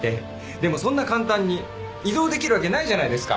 でもそんな簡単に異動できるわけないじゃないですか。